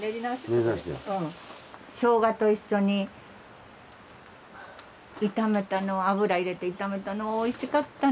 ショウガと一緒に炒めたの油入れて炒めたのはおいしかったね。